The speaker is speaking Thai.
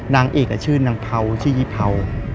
นางเอกชื่อนางเผาชื่อยี่เผา